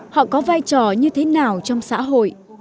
họ có vai trò như thế nào trong xã hội